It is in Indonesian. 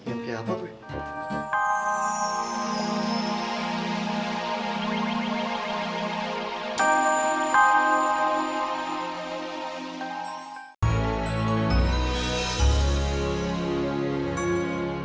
ini yang apa be